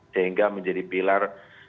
sehingga menjadi pilar